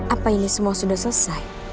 apa ini semua sudah selesai